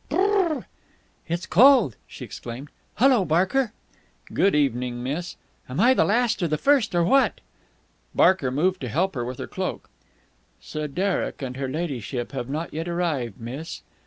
"Brrh! It's cold!" she exclaimed. "Hullo, Barker!" "Good evening, miss." "Am I the last or the first or what?" Barker moved to help her with her cloak. "Sir Derek and her ladyship have not yet arrived, miss.